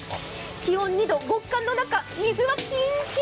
気温２度、極寒の中で水はキンキン。